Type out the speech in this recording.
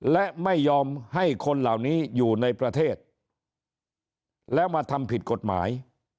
และไม่ยอมให้คนเหล่านี้อยู่ในประเทศแล้วมาทำผิดกฎหมาย